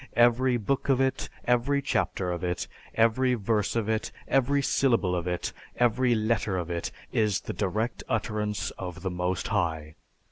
Every book of it, every chapter of it, every verse of it, every syllable of it, every letter of it, is the direct utterance of the Most High.